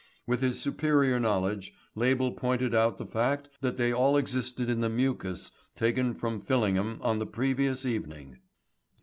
With his superior knowledge Label pointed out the fact that they all existed in the mucous taken from Fillingham on the previous evening.